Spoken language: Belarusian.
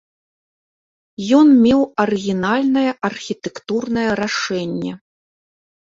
Ён меў арыгінальнае архітэктурнае рашэнне.